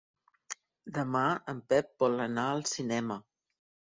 Demà en Pep vol anar al cinema.